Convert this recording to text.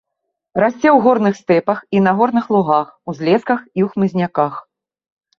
Расце ў горных стэпах і на горных лугах, узлесках, у хмызняках.